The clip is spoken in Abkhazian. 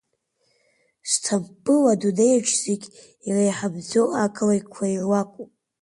Сҭампыл адунеиаҿ зегь иреиҳабӡоу ақалақьқәа ируакуп.